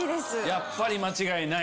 やっぱり間違いない。